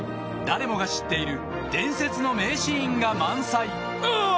誰もが知っている伝説の名シーンが満載うわぁ！